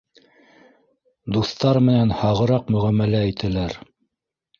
— Дуҫтар менән һағыраҡ мөғәмәлә итәләр